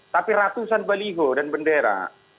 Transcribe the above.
tapi ratusan baliho dan bendera